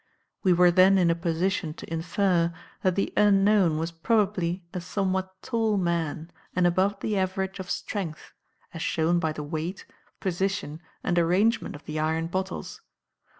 We were then in a position to infer that the unknown was probably a somewhat tall man and above the average of strength, as shown by the weight, position and arrangement of the iron bottles.